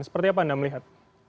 seperti apa anda melihat